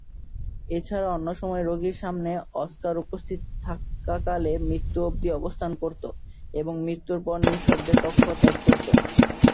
এছাড়া অন্যসময় রোগীর সামনে অস্কার উপস্থিত থাকাকালে, মৃত্যু অবধি অবস্থান করতো, এবং মৃত্যুর পর নিঃশব্দে কক্ষ ত্যাগ করতো।